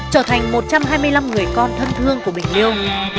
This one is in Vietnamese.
trở thành một trăm hai mươi năm người con thân thương của bình liêu